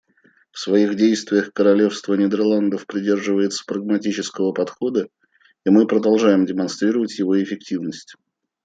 В своих действиях Королевство Нидерландов придерживается прагматического подхода, и мы продолжаем демонстрировать его эффективность.